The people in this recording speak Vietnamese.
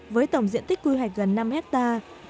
với tổng diện tích quy hoạch gần năm hectare